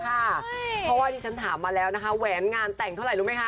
เพราะว่าที่ฉันถามมาแล้วนะคะแหวนงานแต่งเท่าไหร่รู้ไหมค